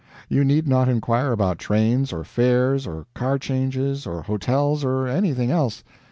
You need not inquire about trains, or fares, or car changes, or hotels, or anything else.